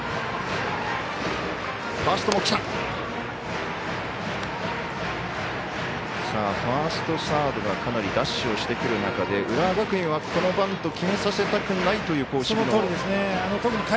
ファースト、サードがかなりダッシュをしてくる中で浦和学院は、このバント決めさせたくないという守備。